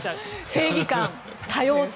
正義感、多様性